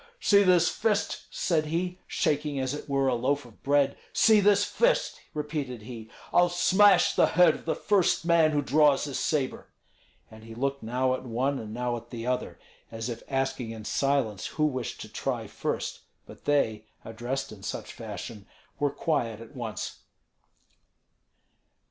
"See this fist!" said he, shaking as it were a loaf of bread; "see this fist!" repeated he. "I'll smash the head of the first man who draws his sabre." And he looked now at one and now at the other, as if asking in silence who wished to try first; but they, addressed in such fashion, were quiet at once.